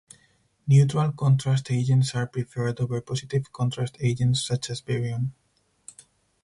Neutral contrast agents are preferred over positive contrast agents such as barium.